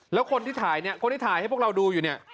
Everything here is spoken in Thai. แล้วคนที่ถ่ายเนี่ยคนที่ถ่ายให้พวกเราดูอยู่เนี่ย